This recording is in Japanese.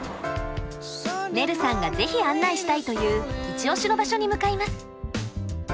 ねるさんが是非案内したいという一押しの場所に向かいます。